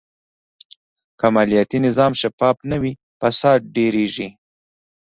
که مالیاتي نظام شفاف نه وي، فساد ډېرېږي.